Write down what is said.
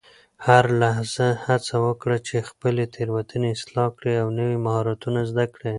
هره لحظه هڅه وکړه چې خپلې تیروتنې اصلاح کړې او نوي مهارتونه زده کړې.